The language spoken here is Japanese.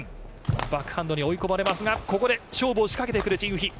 バックハンドに追い込まれますが、ここで勝負を仕掛けてくる、チン・ウヒ。